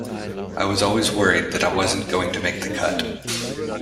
I was always worried that I wasn't going to make the cut.